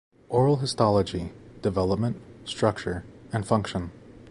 Oral Histology: development, structure, and function.